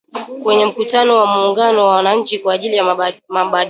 Kwenye mkutano wa muungano wa wananchi kwa ajili ya mabadiliko.